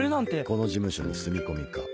この事務所に住み込み可。